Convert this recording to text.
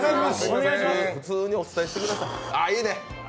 普通にお伝えしてください。